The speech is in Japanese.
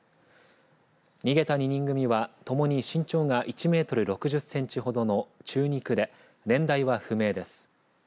逃げた２人組はともに身長が１メートル６０センチほどの中肉で年代は不明です。